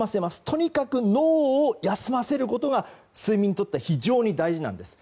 とにかく脳を休ませることが睡眠にとっては非常に大事なんです。